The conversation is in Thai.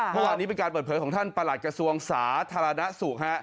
เมื่อวานนี้เป็นการเปิดเผยของท่านประหลัดกระทรวงสาธารณสุขฮะ